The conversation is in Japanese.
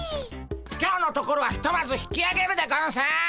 今日のところはひとまず引きあげるでゴンス！